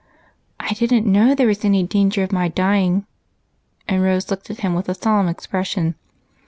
"I didn't know there was any danger of my dying," and Rose looked up at him with a solemn expression in her great eyes.